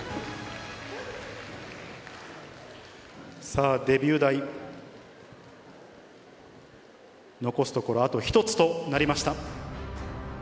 さあ、デビュー台、残すところあと１つとなりました。